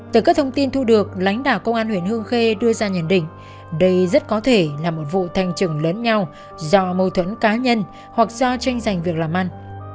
từ các thông tin thu được lãnh đạo công an huyện hương khê đưa ra nhận định đây rất có thể là một vụ thanh trừng lớn nhau do mâu thuẫn cá nhân hoặc do tranh giành việc làm ăn